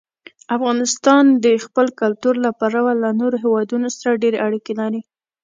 افغانستان د خپل کلتور له پلوه له نورو هېوادونو سره ډېرې اړیکې لري.